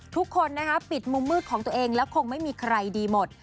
ทุกคนนะคะปิดมุมมืดของตัวเองแล้วคงไม่มีใครดีหมด